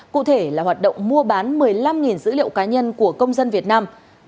cụ thể là hoạt động mua bán một mươi năm dữ liệu cá nhân của công dân việt nam